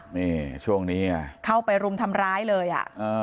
นี่ช่วงนี้เข้าไปรุมทำร้ายเลยอ่ะ